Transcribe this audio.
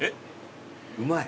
うまい。